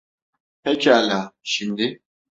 Pekala, şimdi…